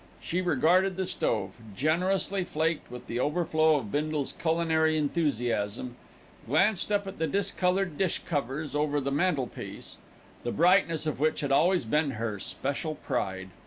She regarded the stove, generously flaked with the overflow of Bindle's culinary enthusiasm, glanced up at the discoloured dish covers over the mantelpiece, the brightness of which had always been her special pride.